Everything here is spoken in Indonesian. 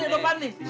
eh lu apaan nih